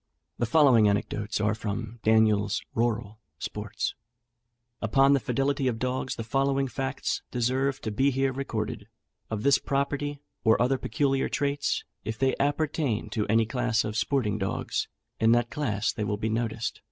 The following anecdotes are from Daniel's "Rural Sports:" Upon the fidelity of dogs, the following facts deserve to be here recorded: of this property, or other peculiar traits, if they appertain to any class of sporting dogs, in that class they will be noticed.